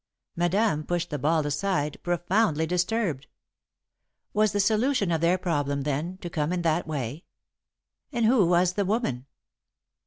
Madame pushed the ball aside, profoundly disturbed. Was the solution of their problem, then, to come in that way? And who was the woman?